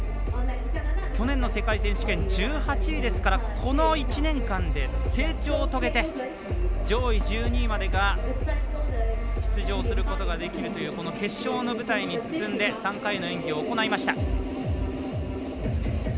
去年の世界選手権１８位ですからこの１年間で成長を遂げて上位１２位までが出場することができるというこの決勝の舞台に進んで３回の演技を行いました。